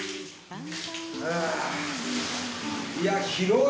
いや広い！